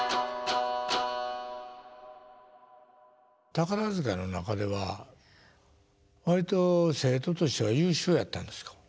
宝塚の中では割と生徒としては優秀やったんですか？